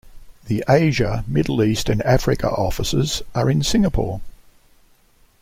The Asia, Middle East, and Africa offices are in Singapore.